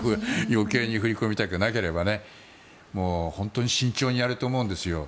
余計に振り込みたくなければ本当に慎重にやると思うんです。